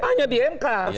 hanya di mk